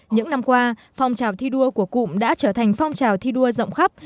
những năm qua phong trào thi đua của cụm đã trở thành phong trào thi đua rộng khắp